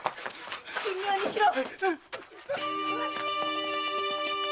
神妙にしろ！